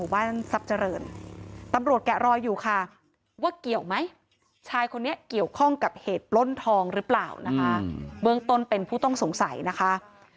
ว่าเกี่ยวไหมชายคนนี้เกี่ยวข้องกับเหตุล้นทองหรือเปล่านะคะเบื้องต้นเป็นผู้ต้องสงสัยนะคะ